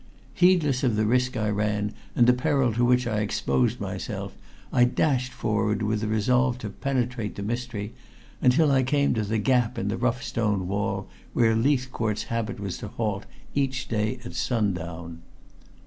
Heedless of the risk I ran and the peril to which I exposed myself, I dashed forward with a resolve to penetrate the mystery, until I came to the gap in the rough stone wall where Leithcourt's habit was to halt each day at sundown.